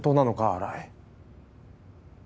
新井。